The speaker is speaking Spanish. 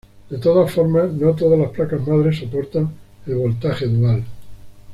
De todas formas, no todas las placas madre soportan el voltaje dual.